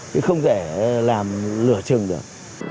chứ không thể làm lửa chừng được